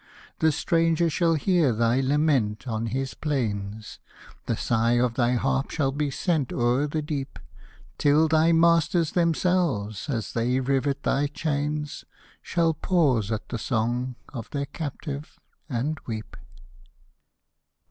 The stranger shall hear thy lament on his plains ; The sigh of thy harp shall be sent o'er the deep, Till thy masters themselves, as they rivet thy chains, Shall pause at the song of their captive, and weep